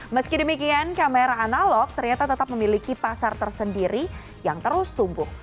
meski demikian kamera analog ternyata tetap memiliki pasar tersendiri yang terus tumbuh